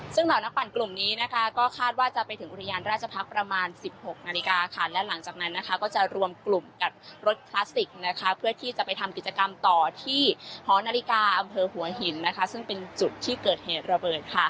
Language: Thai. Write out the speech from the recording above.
ซึ่งเหล่านักปั่นกลุ่มนี้นะคะก็คาดว่าจะไปถึงอุทยานราชพักษ์ประมาณ๑๖นาฬิกาค่ะและหลังจากนั้นนะคะก็จะรวมกลุ่มกับรถคลาสสิกนะคะเพื่อที่จะไปทำกิจกรรมต่อที่หอนาฬิกาอำเภอหัวหินนะคะซึ่งเป็นจุดที่เกิดเหตุระเบิดค่ะ